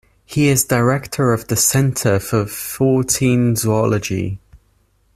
He is Director of the Centre for Fortean Zoology.